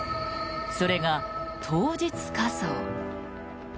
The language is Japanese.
それが当日火葬。